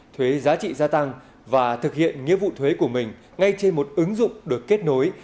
thuế giá trị gia tăng và thực hiện nghĩa vụ thuế của mình ngay trên một ứng dụng được kết nối